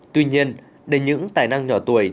tuy nhiên để những tài năng nhỏ tuổi